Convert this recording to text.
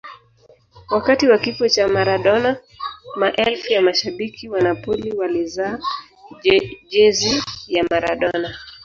wakati wa kifo cha maradona maelfu ya mashabiki wa napoli walizaa jezi ya maradona